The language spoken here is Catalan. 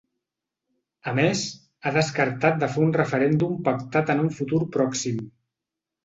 A més, ha descartat de fer un referèndum pactat en un futur pròxim.